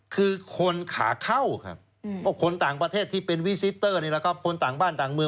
คือคนขาเข้าครับก็คนต่างประเทศที่เป็นวิซิเตอร์นี่แหละครับคนต่างบ้านต่างเมือง